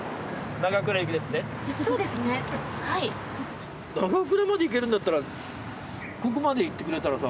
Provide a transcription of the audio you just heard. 長倉まで行けるんだったらここまで行ってくれたらさ